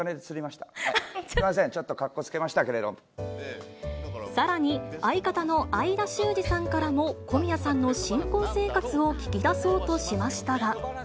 すみません、さらに、相方の相田周二さんからも、小宮さんの新婚生活を聞き出そうとしましたが。